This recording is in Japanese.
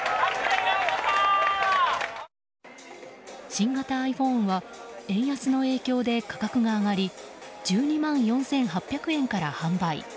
新型ｉＰｈｏｎｅは円安の影響で価格が上がり１２万４８００円から販売。